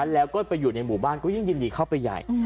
แล้วก็ไปอยู่ในหมู่บ้านก็ยิ่งยินดีเข้าไปใหญ่